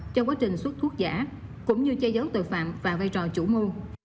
trong quá trình xuất thuốc giả cũng như che giấu tội phạm và vai trò chủ mưu